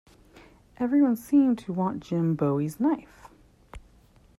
Everyone seemed to want Jim Bowie's knife.